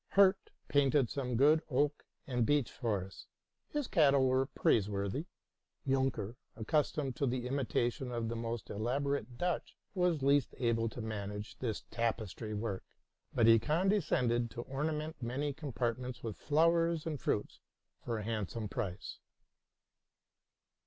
Hirt painted some good oak and beech forests. His cattle were praiseworthy. TA TRUTH AND FICTION Junker, accustomed to the imitation of the most elaborate Dutch, was least able to manage this tapestry work ; but he condescended to ornament many compartments with flowers and fruits for a handsome price.